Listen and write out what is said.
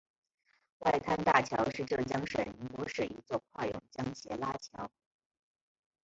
外滩大桥是浙江省宁波市一座跨甬江斜拉桥。